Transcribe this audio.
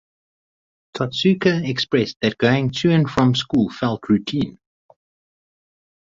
Totsuka expressed that going to and from school felt routine.